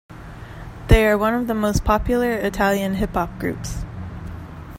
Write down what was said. They are one of the most popular Italian hip hop groups.